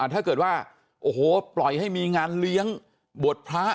ถ้าเกิดว่าโอ้โหปล่อยให้มีงานเลี้ยงบวชพระ